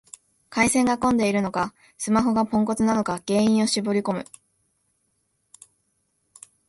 回線が混んでるのか、スマホがポンコツなのか原因を絞りこむ